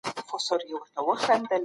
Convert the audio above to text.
سياست او ايډيالوژي نيژدې اړيکي لري.